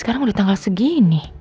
sekarang udah tanggal segini